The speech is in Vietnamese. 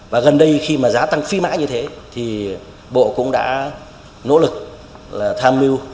và gần đây khi mà giá tăng phi mãi như thế thì bộ cũng đã nỗ lực là tham mưu